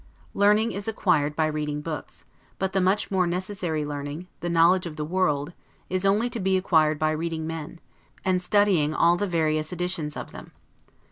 Learning is acquired by reading books; but the much more necessary learning, the knowledge of the world, is only to be acquired by reading men, and studying all the various editions of them.